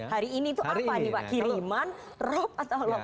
hari ini itu apa nih pak kiriman rop atau apa